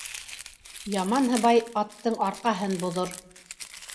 Яман һыбай аттың арҡаһын боҙор.